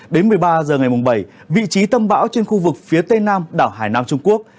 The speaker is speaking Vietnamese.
đến một mươi ba h ngày bảy vị trí tâm bão trên khu vực phía tây nam đảo hải nam trung quốc